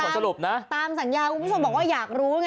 ตามสัญญาคุณผู้ชมบอกว่าอยากรู้